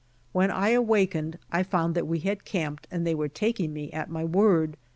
When I awakened, I found that we had camped and they were taking me at my word.